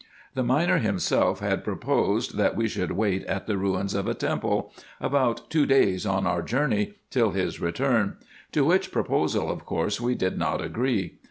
The miner himself had proposed, that we should wait at 304 RESEARCHES AND OPERATIONS the ruins of a temple, about two days on our journey, till his return ; to which proposal of course we did not agree.